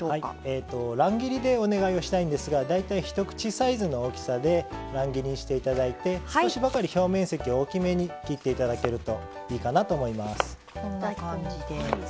乱切りでお願いをしたいんですが大体一口サイズの大きさで乱切りにして頂いて少しばかり表面積を大きめに切って頂けるといいかなと思います。